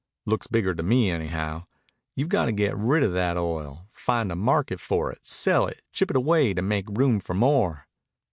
Looks bigger to me, anyhow. You've got to get rid of that oil find a market for it, sell it, ship it away to make room for more.